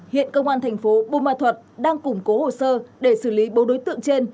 hiện công an thành phố bùa ma thuật đang củng cố hồ sơ để xử lý bốn đối tượng trên